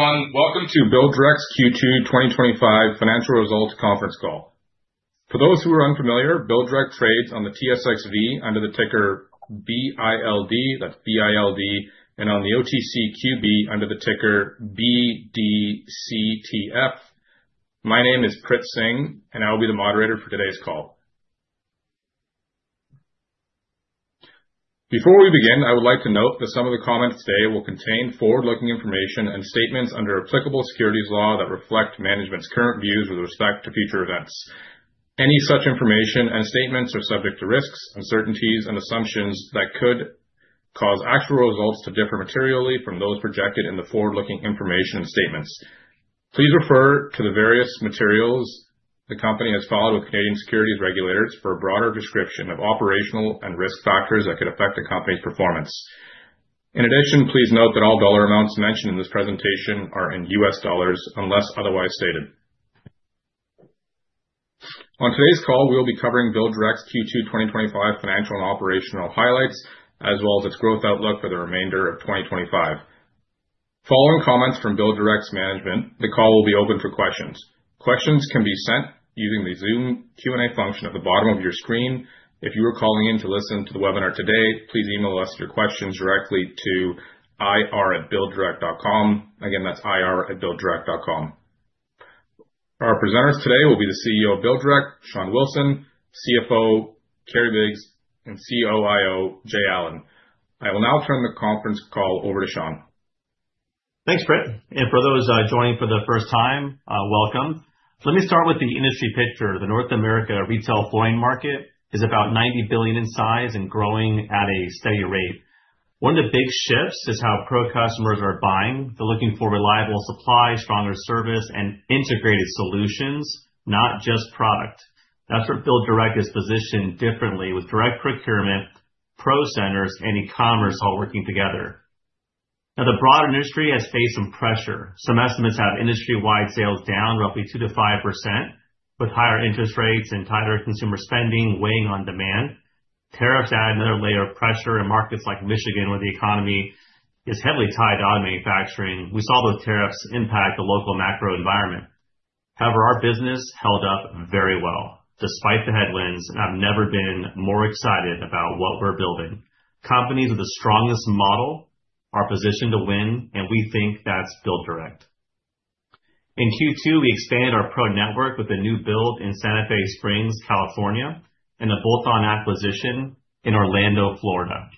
Hey everyone, welcome to BuildDirect Q2 2025 Financial Results Conference Call. For those who are unfamiliar, BuildDirect trades on the TSXV under the ticker BILD, that's BILD, and on the OTCQB under the ticker BDCTF. My name is Prit Singh, and I will be the moderator for today's call. Before we begin, I would like to note that some of the comments today will contain forward-looking information and statements under applicable securities law that reflect management's current views with respect to future events. Any such information and statements are subject to risks, uncertainties, and assumptions that could cause actual results to differ materially from those projected in the forward-looking information and statements. Please refer to the various materials the company has filed with Canadian securities regulators for a broader description of operational and risk factors that could affect the company's performance. In addition, please note that all dollar amounts mentioned in this presentation are in U.S. dollars unless otherwise stated. On today's call, we will be covering BuildDirect's Q2 2025 financial and operational highlights, as well as its growth outlook for the remainder of 2025. Following comments from BuildDirect's management, the call will be open for questions. Questions can be sent using the Zoom Q&A function at the bottom of your screen. If you are calling in to listen to the webinar today, please email us your questions directly to ir@builddirect.com. Again, that's ir@builddirect.com. Our presenters today will be the CEO of BuildDirect, Shawn Wilson, CFO Kerry Biggs, and COIO Jay Allen. I will now turn the conference call over to Shawn. Thanks, Prit. For those joining for the first time, welcome. Let me start with the industry picture. The North America retail flooring market is about $90 billion in size and growing at a steady rate. One of the big shifts is how pro customers are buying. They're looking for reliable supply, stronger service, and integrated solutions, not just product. BuildDirect is positioned differently, with direct procurement, Pro Centers, and e-commerce all working together. The broader industry has faced some pressure. Some estimates have industry-wide sales down roughly 2%-5%, with higher interest rates and tighter consumer spending weighing on demand. Tariffs add another layer of pressure in markets like Michigan, where the economy is heavily tied to auto manufacturing. We saw those tariffs impact the local macro environment. However, our business held up very well despite the headwinds, and I've never been more excited about what we're building. Companies with the strongest model are positioned to win, and we BuildDirect. In Q2, we expand our pro network with a new build in Santa Fe Springs, California, and a bolt-on acquisition in Orlando, Florida.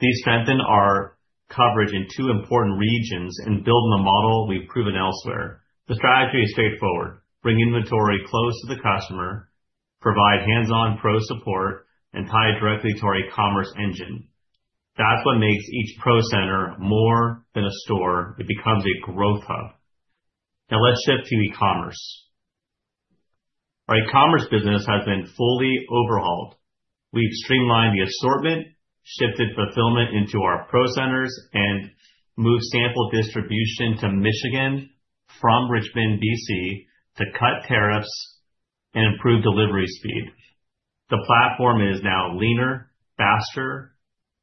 These strengthen our coverage in two important regions and build on a model we've proven elsewhere. The strategy is straightforward: bring inventory close to the customer, provide hands-on pro support, and tie it directly to our e-commerce engine. That's what makes each Pro Center more than a store. They become the growth hub. Now let's shift to e-commerce. Our e-commerce business has been fully overhauled. We've streamlined the assortment, shifted fulfillment into our Pro Centers, and moved sample distribution to Michigan from Richmond, D.C., to cut tariffs and improve delivery speed. The platform is now leaner, faster,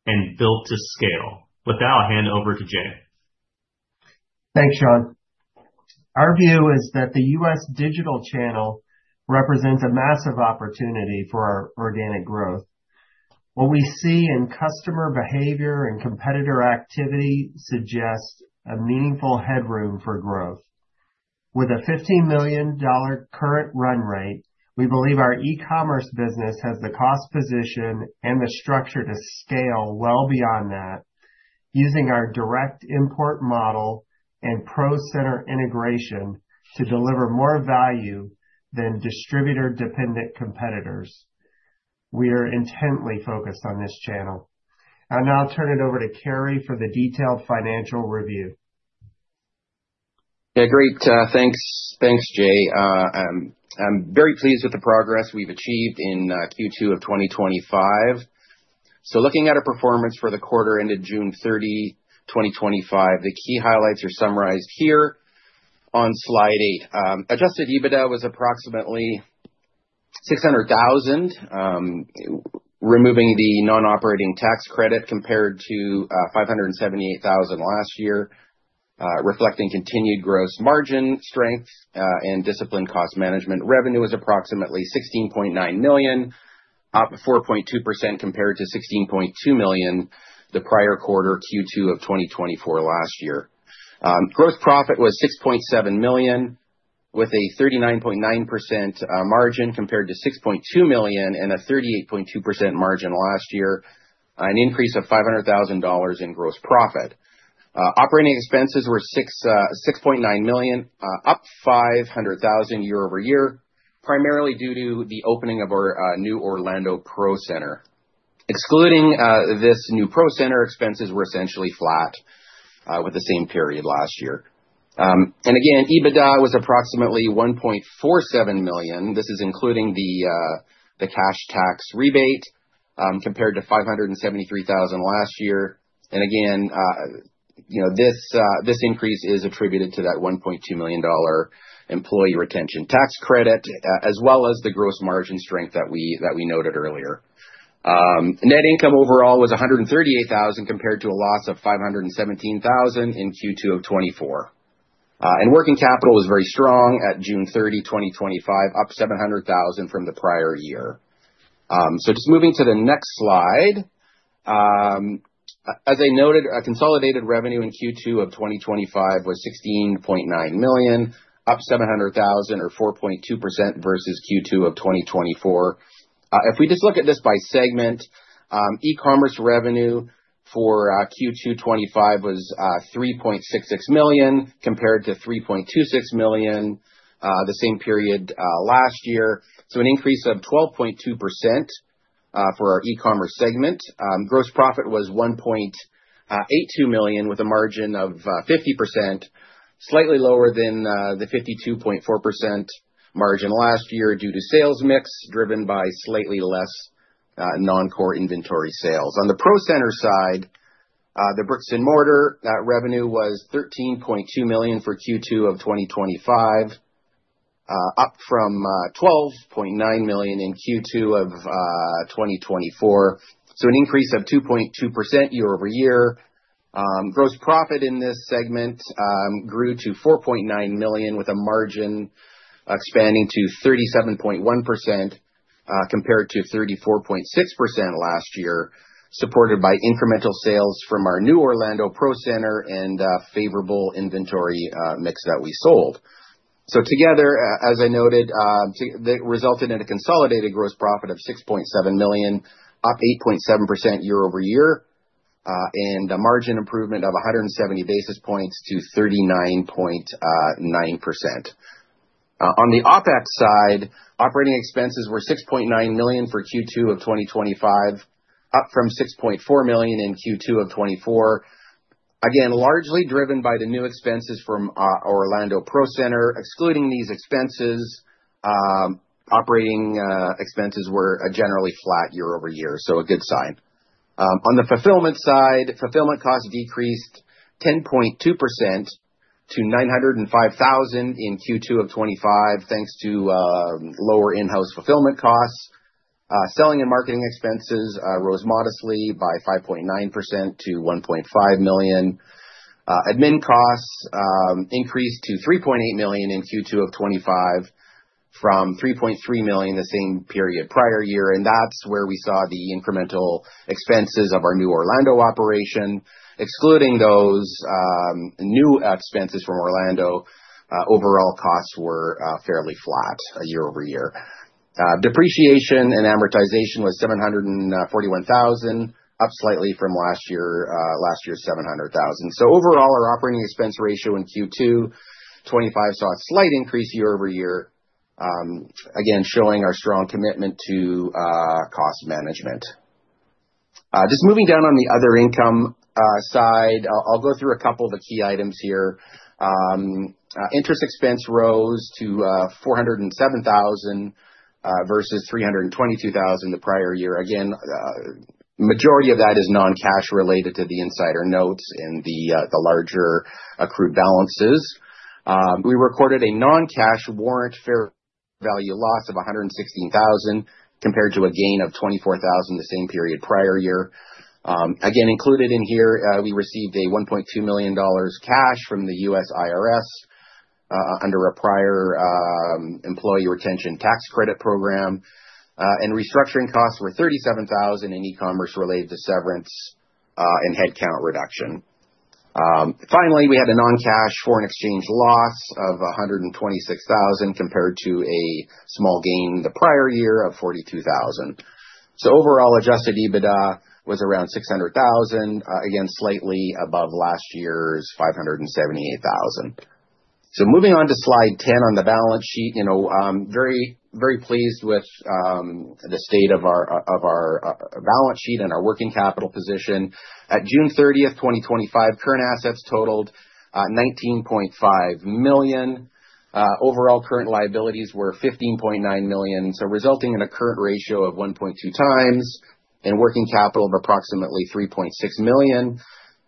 and built to scale. With that, I'll hand over to Jay. Thanks, Shawn. Our view is that the U.S. digital channel represents a massive opportunity for our organic growth. What we see in customer behavior and competitor activity suggests a meaningful headroom for growth. With a $15 million current run rate, we believe our e-commerce business has the cost position and the structure to scale well beyond that, using our direct import model and Pro Center integration to deliver more value than distributor-dependent competitors. We are intently focused on this channel. I'll now turn it over to Kerry for the detailed financial review. Yeah, great. Thanks, thanks Jay. I'm very pleased with the progress we've achieved in Q2 of 2025. Looking at our performance for the quarter ended June 30, 2025, the key highlights are summarized here on slide eight. Adjusted EBITDA was approximately $600,000, removing the non-operating tax credit, compared to $578,000 last year, reflecting continued gross margin strength and disciplined cost management. Revenue was approximately $16.9 million, up 4.2% compared to $16.2 million the prior quarter, Q2 of 2024, last year. Gross profit was $6.7 million, with a 39.9% margin compared to $6.2 million and a 38.2% margin last year, an increase of $500,000 in gross profit. Operating expenses were $6.9 million, up $500,000 year-over-year, primarily due to the opening of our new Orlando Pro Center. Excluding this new Pro Center, expenses were essentially flat with the same period last year. EBITDA was approximately $1.47 million, including the cash tax rebate, compared to $573,000 last year. This increase is attributed to that $1.2 million employee retention tax credit, as well as the gross margin strength that we noted earlier. Net income overall was $138,000 compared to a loss of $517,000 in Q2 of 2024. Working capital was very strong at June 30, 2025, up $700,000 from the prior year. Moving to the next slide. As I noted, consolidated revenue in Q2 of 2025 was $16.9 million, up $700,000 or 4.2% versus Q2 of 2024. If we just look at this by segment, e-commerce revenue for Q2 2025 was $3.66 million compared to $3.26 million the same period last year, an increase of 12.2% for our e-commerce segment. Gross profit was $1.82 million with a margin of 50%, slightly lower than the 52.4% margin last year due to sales mix driven by slightly less non-core inventory sales. On the Pro Center side, the bricks and mortar revenue was $13.2 million for Q2 of 2025, up from $12.9 million in Q2 of 2024, an increase of 2.2% year-over-year. Gross profit in this segment grew to $4.9 million with a margin expanding to 37.1% compared to 34.6% last year, supported by incremental sales from our new Orlando Pro Center and favorable inventory mix that we sold. Together, as I noted, it resulted in a consolidated gross profit of $6.7 million, up 8.7% year-over-year, and a margin improvement of 170 basis points to 39.9%. On the OpEx side, operating expenses were $6.9 million for Q2 of 2025, up from $6.4 million in Q2 of 2024. Again, largely driven by the new expenses from our Orlando Pro Center. Excluding these expenses, operating expenses were generally flat year over year, so a good sign. On the fulfillment side, fulfillment costs decreased 10.2% to $905,000 in Q2 of 2025, thanks to lower in-house fulfillment costs. Selling and marketing expenses rose modestly by 5.9% to $1.5 million. Admin costs increased to $3.8 million in Q2 of 2025 from $3.3 million the same period prior year. That's where we saw the incremental expenses of our new Orlando operation. Excluding those new expenses from Orlando, overall costs were fairly flat year-over-year. Depreciation and amortization was $741,000, up slightly from last year's $700,000. Overall, our operating expense ratio in Q2 2025 saw a slight increase year over year, again showing our strong commitment to cost management. Moving down on the other income side, I'll go through a couple of the key items here. Interest expense rose to $407,000 versus $322,000 the prior year. The majority of that is non-cash related to the insider notes in the larger accrued balances. We recorded a non-cash warrant fair value loss of $116,000 compared to a gain of $24,000 the same period prior year. Included in here, we received $1.2 million cash from the U.S. IRS under a prior employee retention tax credit program. Restructuring costs were $37,000 in e-commerce related to severance and headcount reduction. Finally, we had a non-cash foreign exchange loss of $126,000 compared to a small gain the prior year of $42,000. Overall, adjusted EBITDA was around $600,000, again slightly above last year's $578,000. Moving on to slide 10 on the balance sheet, I'm very, very pleased with the state of our balance sheet and our working capital position. At June 30th 2025, current assets totaled $19.5 million. Overall, current liabilities were $15.9 million, resulting in a current ratio of 1.2x and working capital of approximately $3.6 million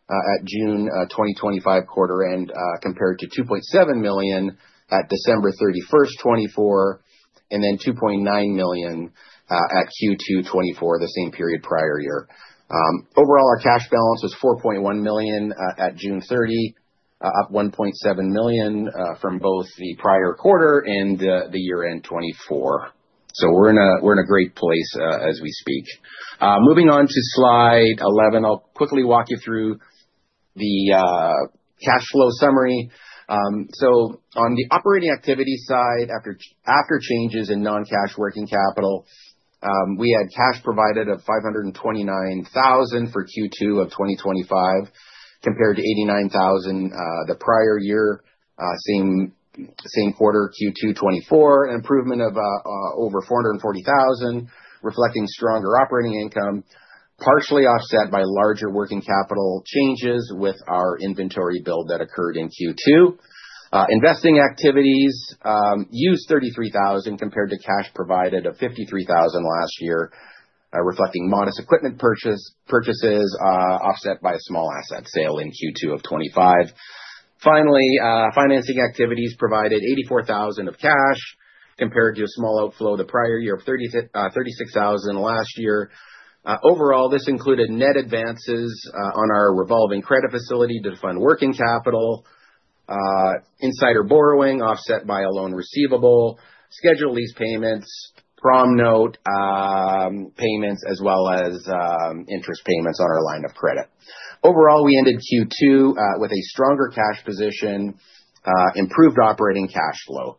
at June 2025 quarter end compared to $2.7 million at December 31st 2024, and $2.9 million at Q2 2024, the same period prior year. Overall, our cash balance was $4.1 million at June 30, up $1.7 million from both the prior quarter and the year-end 2024. We're in a great place as we speak. Moving on to slide 11, I'll quickly walk you through the cash flow summary. On the operating activity side, after changes in non-cash working capital, we had cash provided of $529,000 for Q2 of 2025 compared to $89,000 the prior year, same quarter Q2 2024, an improvement of over $440,000, reflecting stronger operating income, partially offset by larger working capital changes with our inventory build that occurred in Q2. Investing activities used $33,000 compared to cash provided of $53,000 last year, reflecting modest equipment purchases offset by a small asset sale in Q2 of 2025. Financing activities provided $84,000 of cash compared to a small outflow the prior year of $36,000 last year. Overall, this included net advances on our revolving credit facility to fund working capital, insider borrowing offset by a loan receivable, scheduled lease payments, prom note payments, as well as interest payments on our line of credit. We ended Q2 with a stronger cash position, improved operating cash flow.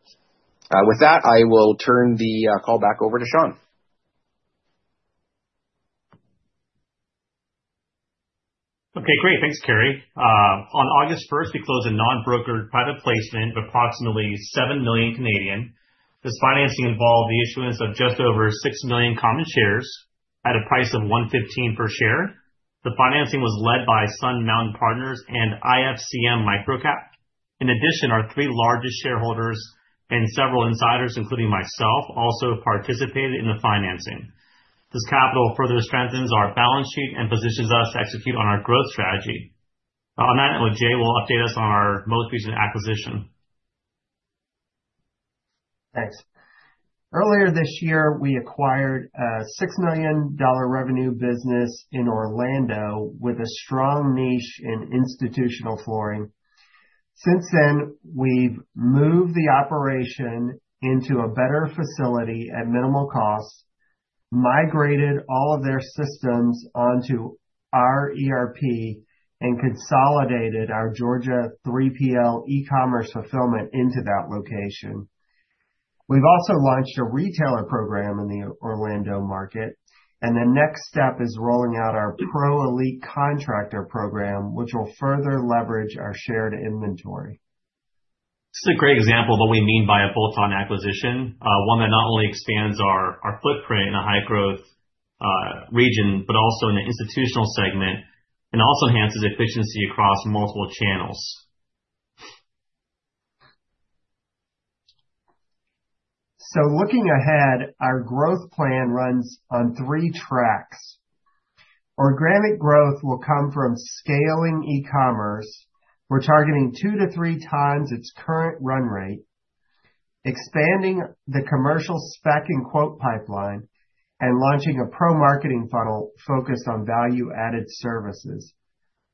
With that, I will turn the call back over to Shawn. Okay, great. Thanks, Kerry. On August 1st, we closed a non-brokered private placement of approximately 7 million. This financing involved the issuance of just over 6 million common shares at a price of 1.15 per share. The financing was led by Sun Mountain Partners and IFCM MicroCap. In addition, our three largest shareholders and several insiders, including myself, also participated in the financing. This capital further strengthens our balance sheet and positions us to execute on our growth strategy. On that note, Jay will update us on our most recent acquisition. Thanks. Earlier this year, we acquired a $6 million revenue business in Orlando with a strong niche in institutional flooring. Since then, we've moved the operation into a better facility at minimal cost, migrated all of their systems onto our ERP, and consolidated our Georgia 3PL e-commerce fulfillment into that location. We've also launched a retailer program in the Orlando market, and the next step is rolling out our [Pro Elite Contractor] program, which will further leverage our shared inventory. This is a great example of what we mean by a bolt-on acquisition, one that not only expands our footprint in a high-growth region, but also in the institutional segment and also enhances efficiency across multiple channels. Looking ahead, our growth plan runs on three tracks. Organic growth will come from scaling e-commerce. We're targeting two to three times its current run rate, expanding the commercial spec and quote pipeline, and launching a pro marketing funnel focused on value-added services.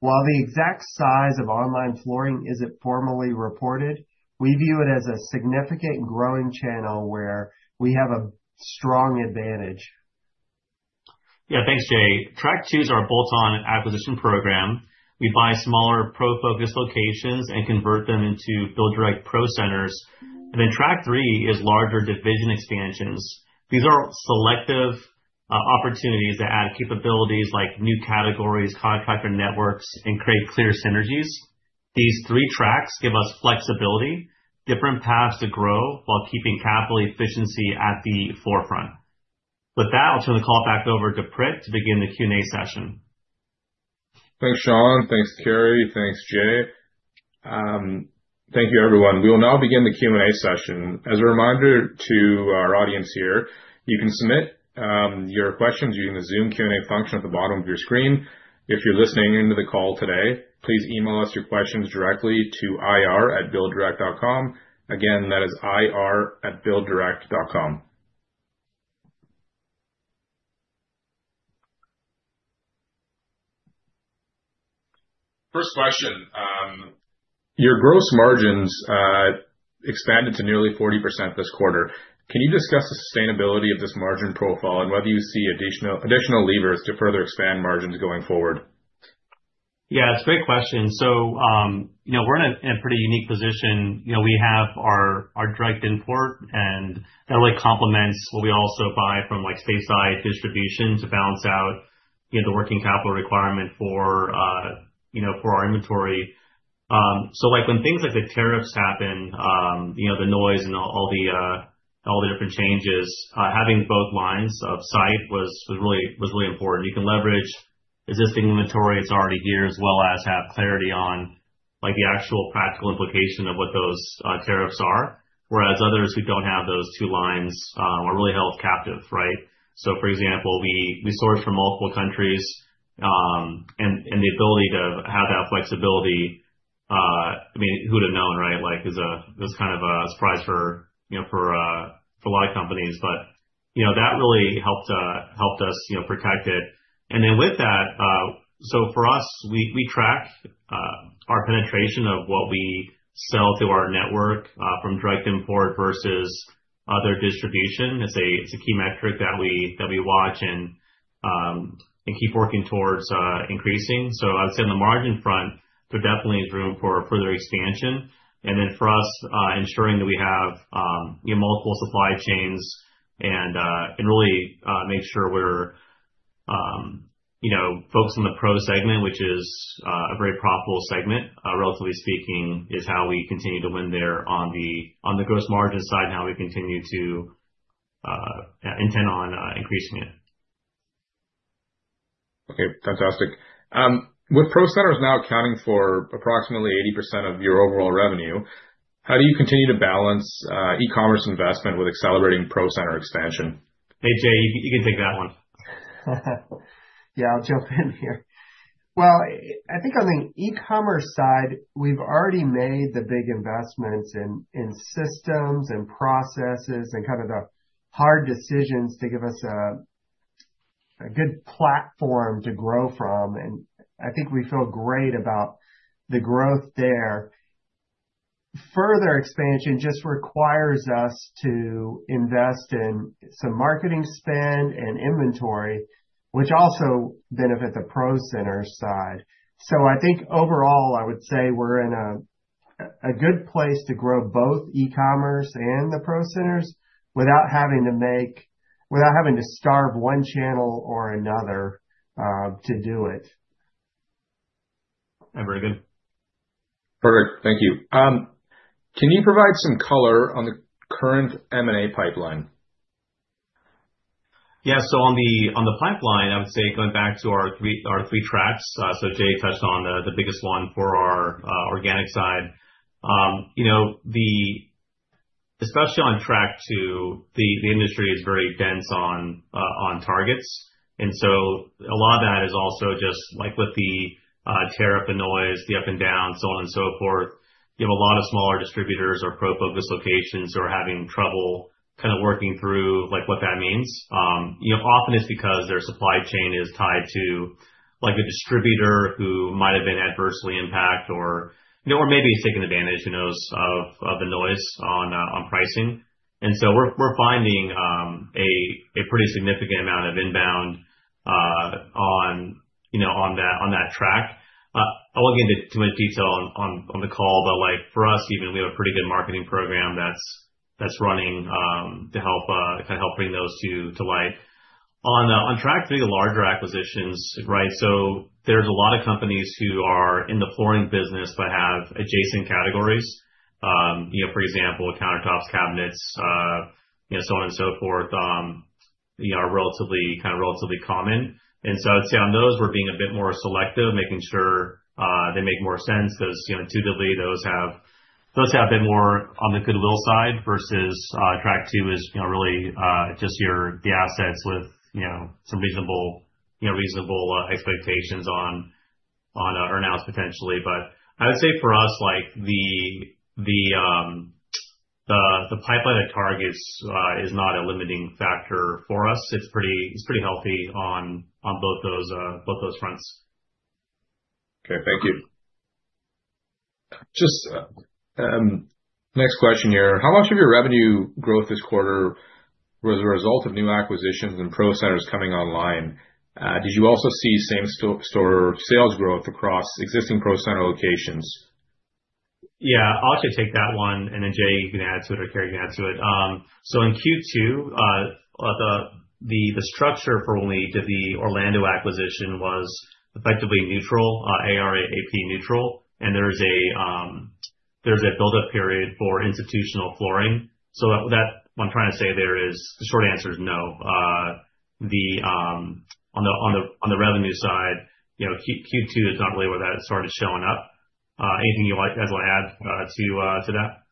While the exact size of online flooring isn't formally reported, we view it as a significant growing channel where we have a strong advantage. Yeah, thanks, Jay. [Track two] is our bolt-on acquisition program. We buy smaller pro-focus locations and convert them into BuildDirect Pro Centers. [Track three] is larger division expansions. These are selective opportunities that add capabilities like new categories, contractor networks, and create clear synergies. These three tracks give us flexibility, different paths to grow while keeping capital efficiency at the forefront. With that, I'll turn the call back over to Prit to begin the Q&A session. Thanks, Shawn. Thanks, Kerry. Thanks, Jay. Thank you, everyone. We will now begin the Q&A session. As a reminder to our audience here, you can submit your questions using the Zoom Q&A function at the bottom of your screen. If you're listening in to the call today, please email us your questions directly to ir@builddirect.com. Again, that is ir@builddirect.com. First question, your gross margins expanded to nearly 40% this quarter. Can you discuss the sustainability of this margin profile and whether you see additional levers to further expand margins going forward? Yeah, it's a great question. We're in a pretty unique position. We have our direct import, and that really complements what we also buy from distribution to balance out the working capital requirement for our inventory. When things like the tariffs happen, the noise and all the different changes, having both lines of sight was really important. You can leverage existing inventory that's already here as well as have clarity on the actual practical implication of what those tariffs are. Whereas others who don't have those two lines are really held captive, right? For example, we source from multiple countries, and the ability to have that flexibility, I mean, who'd have known, right? It was kind of a surprise for a lot of companies, but that really helped us protect it. With that, for us, we track our penetration of what we sell through our network from direct import versus other distribution. It's a key metric that we watch and keep working towards increasing. I would say on the margin front, there definitely is room for further expansion. For us, ensuring that we have multiple supply chains and really make sure we're focused on the pro segment, which is a very profitable segment, relatively speaking, is how we continue to win there on the gross margin side and how we continue to intend on increasing it. Okay, fantastic. With Pro Centers now accounting for approximately 80% of your overall revenue, how do you continue to balance e-commerce investment with accelerating Pro Center expansion? Hey, Jay, you can take that one. I'll jump in here. I think on the e-commerce side, we've already made the big investments in systems and processes and kind of the hard decisions to give us a good platform to grow from. I think we feel great about the growth there. Further expansion just requires us to invest in some marketing spend and inventory, which also benefits the Pro Center side. I think overall, I would say we're in a good place to grow both e-commerce and the Pro Centers without having to make, without having to start up one channel or another to do it. I'm very good. Perfect. Thank you. Can you provide some color on the current M&A pipeline? Yeah, so on the pipeline, I would say going back to our three tracks, Jay touched on the biggest one for our organic side. Especially on track two, the industry is very dense on targets. A lot of that is also just like with the tariff and noise, the up and down, so on and so forth. You have a lot of smaller distributors or pro-focus locations who are having trouble kind of working through what that means. Often it's because their supply chain is tied to the distributor who might have been adversely impacted or maybe taking advantage, who knows, of the noise on pricing. We're finding a pretty significant amount of inbound on that track. I won't get into too much detail on the call, but for us, we have a pretty good marketing program that's running to help bring those to light. On track three, the larger acquisitions, there are a lot of companies who are in the flooring business but have adjacent categories. For example, countertops, cabinets, so on and so forth, are kind of relatively common. I'd say on those, we're being a bit more selective, making sure they make more sense because, intuitively, those have a bit more on the goodwill side versus track two is really just your assets with some reasonable expectations on earnouts potentially. I would say for us, the pipeline of targets is not a limiting factor for us. It's pretty healthy on both those fronts. Okay, thank you. Next question here. How much of your revenue growth this quarter was a result of new acquisitions and Pro Centers coming online? Did you also see same-store sales growth across existing Pro Center locations? Yeah, I'll actually take that one, and then Jay, you can add to it, or Kerry, you can add to it. In Q2, the structure for only the Orlando acquisition was effectively neutral, ARAAP neutral, and there's a build-up period for institutional flooring. What I'm trying to say there is the short answer is no. On the revenue side, Q2 is not really where that started showing up. Anything you'd like to add to that?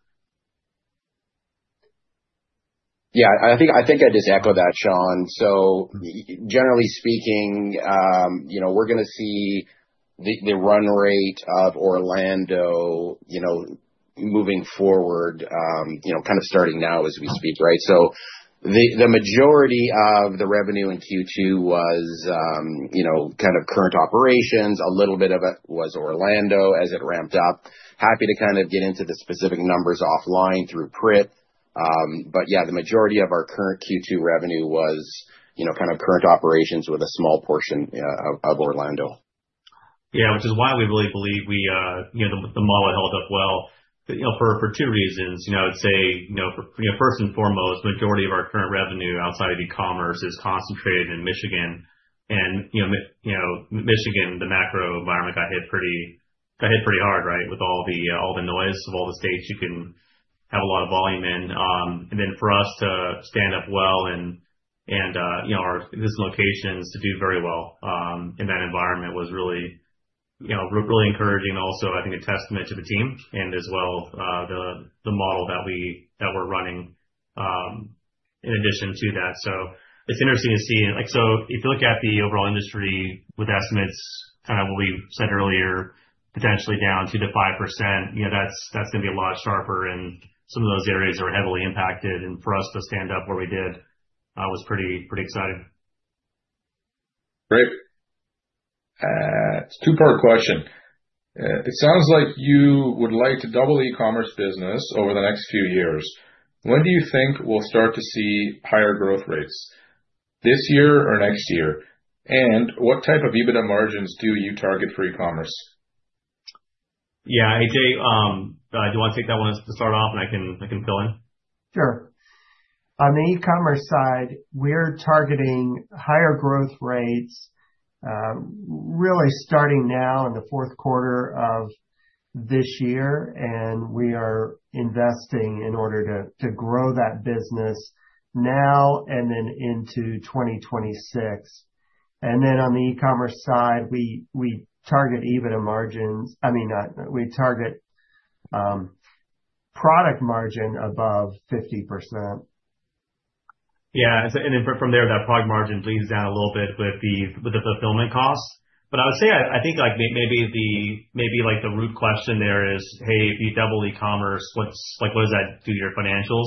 Yeah. I think I just echo that, Shawn. Generally speaking, we're going to see the run rate of Orlando moving forward, kind of starting now as we speak, right? The majority of the revenue in Q2 was kind of current operations. A little bit of it was Orlando as it ramped up. Happy to kind of get into the specific numbers offline through Prit. The majority of our current Q2 revenue was kind of current operations with a small portion of Orlando. Which is why we really believe the model held up well. For two reasons. First and foremost, the majority of our current revenue outside of e-commerce is concentrated in Michigan. Michigan, the macro environment got hit pretty hard, right, with all the noise of all the states you can have a lot of volume in. For us to stand up well and our existing locations to do very well in that environment was really encouraging. Also, I think a testament to the team and as well the model that we're running in addition to that. It's interesting to see, like, if you look at the overall industry with estimates, kind of what we said earlier, potentially down 2%-5%, that's going to be a lot sharper in some of those areas that are heavily impacted. For us to stand up where we did was pretty exciting. All right. Two-part question. It sounds like you would like to double the e-commerce business over the next few years. When do you think we'll start to see higher growth rates? This year or next year? What type of EBITDA margins do you target for e-commerce? Yeah, hey Jay, I do want to take that one to start off, and I can fill in. Sure. On the e-commerce side, we're targeting higher growth rates really starting now in the fourth quarter of this year, and we are investing in order to grow that business now and into 2026. On the e-commerce side, we target EBITDA margins, I mean, we target product margin above 50%. Yeah, and then from there, that product margin bleeds down a little bit with the fulfillment costs. I would say, I think like maybe the root question there is, hey, if you double e-commerce, what does that do to your financials?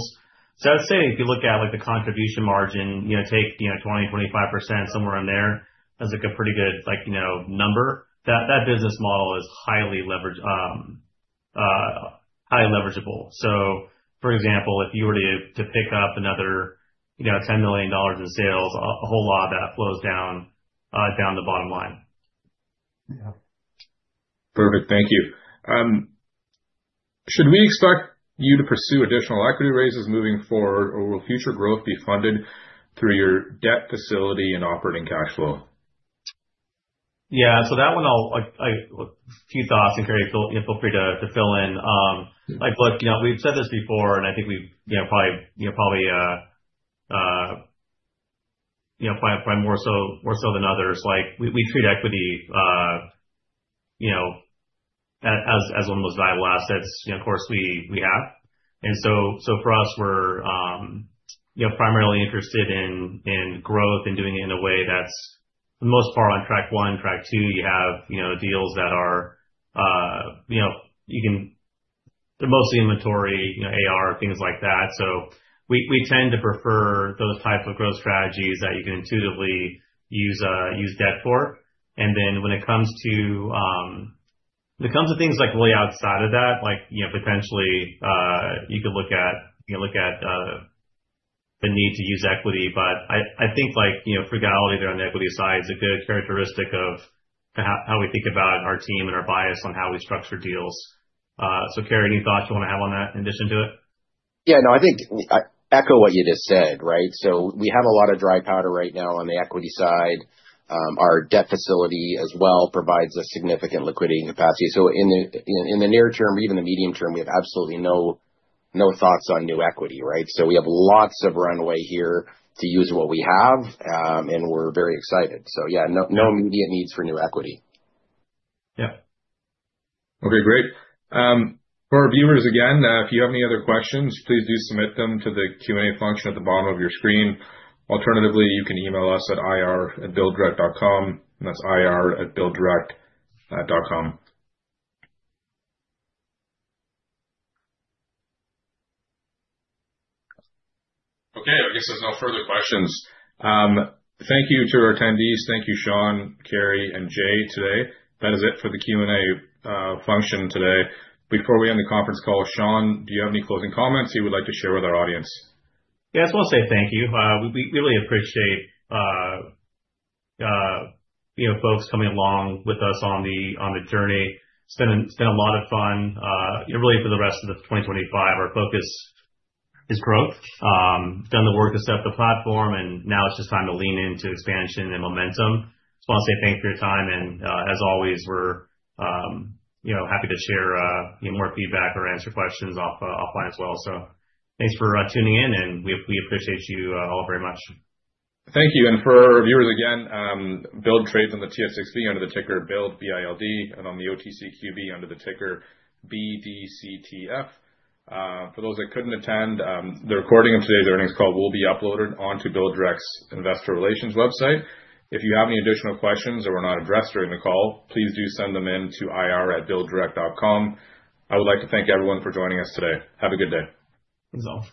I would say if you look at like the contribution margin, you know, take 20-25% somewhere in there as like a pretty good, like, you know, number. That business model is highly leverageable. For example, if you were to pick up another, you know, $10 million in sales, a whole lot of that flows down the bottom line. Yeah. Perfect. Thank you. Should we expect you to pursue additional equity raises moving forward, or will future growth be funded through your debt facility and operating cash flow? Yeah, so that one, I'll key thoughts, and Kerry, feel free to fill in. Look, you know, we've said this before, and I think we've probably more so than others. We treat equity as one of the most valuable assets, of course, we have. For us, we're primarily interested in growth and doing it in a way that's, for the most part, on track one. Track two, you have deals that are mostly inventory, AR, things like that. We tend to prefer those types of growth strategies that you can intuitively use debt for. When it comes to things like way outside of that, like, potentially, you could look at the need to use equity. I think frugality there on the equity side is a good characteristic of how we think about it in our team and our bias on how we structure deals. Kerry, any thoughts you want to have on that in addition to it? Yeah, no, I think echo what you just said, right? We have a lot of dry powder right now on the equity side. Our debt facility as well provides us significant liquidity and capacity. In the near term, even the medium term, we have absolutely no thoughts on new equity, right? We have lots of runway here to use what we have, and we're very excited. Yeah, no immediate needs for new equity. Okay, great. For our viewers, again, if you have any other questions, please do submit them to the Q&A function at the bottom of your screen. Alternatively, you can email us at ir@builddirect.com. That's ir@builddirect.com. I guess there's no further questions. Thank you to our attendees. Thank you, Shawn, Kerry, and Jay today. That is it for the Q&A function today. Before we end the conference call, Shawn, do you have any closing comments you would like to share with our audience? Yeah, I just want to say thank you. We really appreciate folks coming along with us on the journey. It's been a lot of fun. Really for the rest of 2025, our focus is growth. We've done the work to set up the platform, and now it's just time to lean into expansion and momentum. I just want to say thanks for your time, and as always, we're happy to share more feedback or answer questions offline as well. Thanks for tuning in, and we appreciate you all very much. Thank you. For our viewers again, Build trades on the TSXV under the ticker BILD, and on the OTCQV under the ticker BDCTF. For those that couldn't attend, the recording of today's earnings call will be uploaded onto BuildDirect's investor relations website. If you have any additional questions that were not addressed during the call, please do send them in to ir@builddirect.com. I would like to thank everyone for joining us today. Have a good day. Thanks, all.